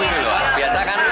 karena biasa kan